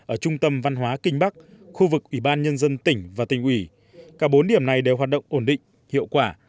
ở trung tâm văn hóa kinh bắc khu vực ủy ban nhân dân tỉnh và tỉnh ủy cả bốn điểm này đều hoạt động ổn định hiệu quả